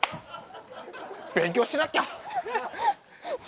勉強しなきゃ！